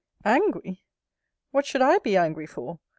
ANGRY! What should I be angry for?